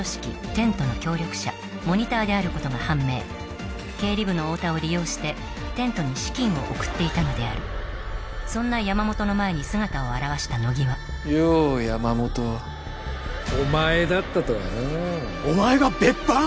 テントの協力者モニターであることが判明経理部の太田を利用してテントに資金を送っていたのであるそんな山本の前に姿を現した乃木はよう山本お前だったとはなお前が別班？